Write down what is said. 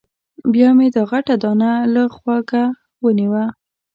بیا مې دا غټه دانه له غوږه ونیوه.